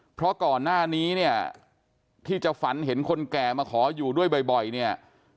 เพราะก่อนหน้านี้เนี่ยที่จะฝันเห็นคนแก่มาขออยู่ด้วยบ่อยเนี่ย